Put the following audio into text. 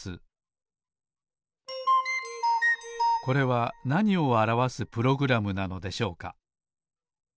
これはなにをあらわすプログラムなのでしょうか？